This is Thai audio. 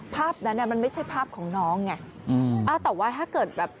ภาพนั้นมันไม่ใช่ภาพของน้องไง